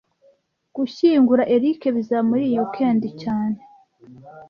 Gushyingura Eric bizaba muri iyi weekend cyane